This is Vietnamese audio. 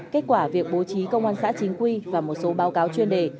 kết quả việc bố trí công an xã chính quy và một số báo cáo chuyên đề